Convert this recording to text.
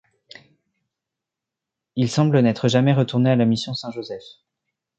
Il semble n'être jamais retourné à la mission Saint-Joseph.